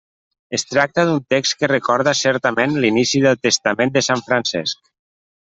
Es tracta d'un text que recorda certament l'inici del Testament de sant Francesc.